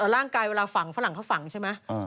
ร่างกายเวลาฝังฝรั่งเขาฝังใช่ไหม